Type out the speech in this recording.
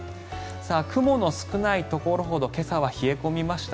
雲の少ないところほど今朝は冷え込みました。